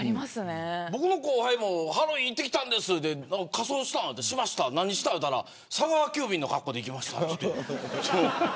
僕の後輩もハロウィーン行ってきたんです仮装しました、何したのと聞いたら佐川急便の格好で行ったって。